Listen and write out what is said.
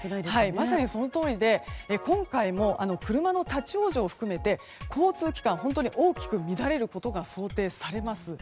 まさにそのとおりで今回も、車の立ち往生を含めて交通機関、大きく乱れることが想定されます。